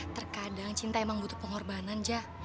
terkadang cinta emang butuh pengorbanan jah